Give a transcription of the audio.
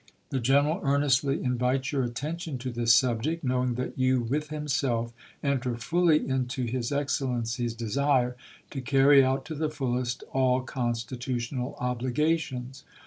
The General earnestly in vites your attention to this subject, knowing that you, with himself, enter fully into his Excellency's desire to t? j^dow carry out to the fullest aU constitutional obligations.